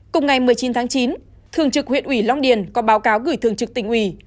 cùng ngày một mươi chín tháng chín thường trực huyện ủy long điền có báo cáo gửi thường trực tỉnh ủy